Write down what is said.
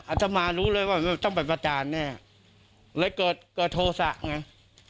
ตมารู้เลยว่าต้องไปประจานแน่เลยเกิดเกิดโทษะไง